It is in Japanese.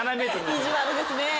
意地悪ですね！